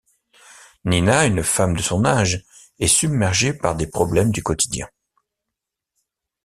Nina, une femme de son âge, est submergée par des problèmes du quotidien.